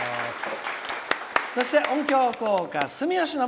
そして音響効果、住吉昇。